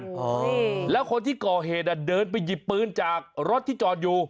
อ๋อแล้วคนที่ก่อเหตุอ่ะเดินไปหยิบปืนจากรถที่จอดอยู่